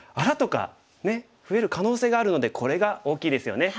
ねえ増える可能性があるのでこれが大きいですよね。